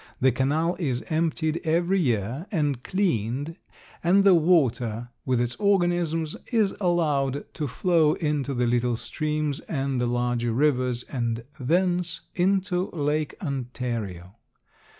The canal is emptied every year and cleaned and the water, with its organisms, is allowed to flow into the little streams and the larger rivers and thence into Lake Ontario.